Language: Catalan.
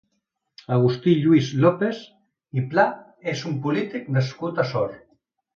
Agustí Lluís López i Pla és un polític nascut a Sort.